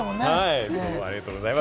ありがとうございます。